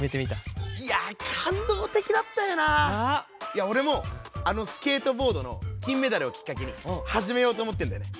いやおれもあのスケートボードの金メダルをきっかけにはじめようとおもってんだよね。